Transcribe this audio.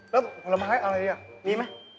แล้วผลไม้อะไรเนี่ย